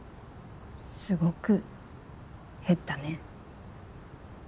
すごく減ったね。